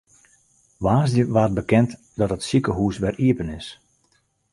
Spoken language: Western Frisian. Woansdei waard bekend dat it sikehûs wer iepen is.